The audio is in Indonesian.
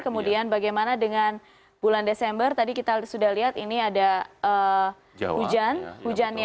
kemudian bagaimana dengan bulan desember tadi kita sudah lihat ini ada hujan